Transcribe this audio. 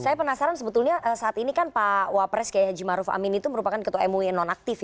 saya penasaran sebetulnya saat ini pak wapres k hj amin merupakan ketua mui nonaktif